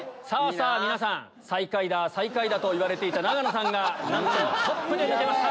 皆さん最下位だ最下位だと言われていた永野さんがなんとトップで抜けました。